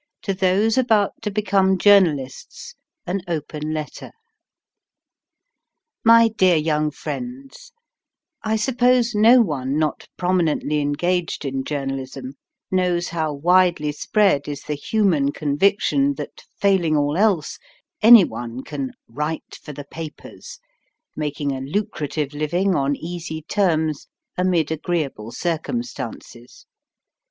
TO THOSE ABOUT TO BECOME JOURNALISTS. AN OPEN LETTER. My dear young friends,__ I suppose no one not prominently engaged in journalism knows how widely spread is the human conviction that, failing all else, any one can "write for the papers," making a lucrative living on easy terms, amid agreeable circumstances.